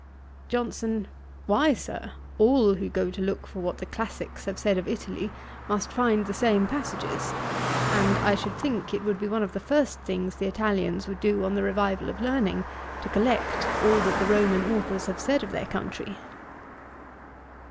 JOHNSON. 'Why, Sir, all who go to look for what the Classicks have said of Italy, must find the same passages; and I should think it would be one of the first things the Italians would do on the revival of learning, to collect all that the Roman authors have said of their country.'